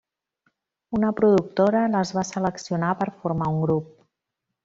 Una productora les va seleccionar per formar un grup.